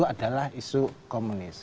itu adalah isu komunis